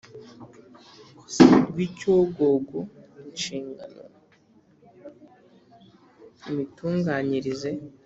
rw icyogogo inshingano imitunganyirize